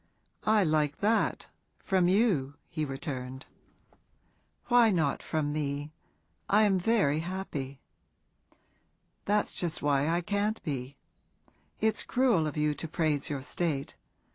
'I like that from you!' he returned. 'Why not from me? I am very happy.' 'That's just why I can't be. It's cruel of you to praise your state.